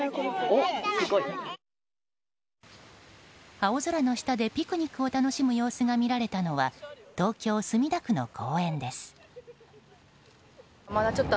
青空の下でピクニックを楽しむ様子が見られたのは東京・墨田区の公園です。